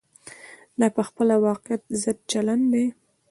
دا په خپله واقعیت ضد چلن دی.